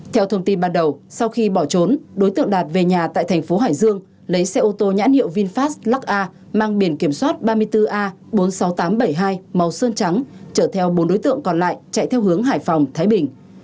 theo thông tin ban đầu sau khi bỏ trốn đối tượng đạt về nhà tại thành phố hải dương lấy xe ô tô nhãn hiệu vinfast lux a mang biển kiểm soát ba mươi bốn a bốn mươi sáu nghìn tám trăm bảy mươi hai màu sơn trắng chở theo bốn đối tượng còn lại chạy theo hướng hải phòng thái bình